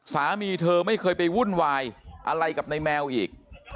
สามีเธอไม่เคยไปวุ่นวายอะไรกับในแมวอีก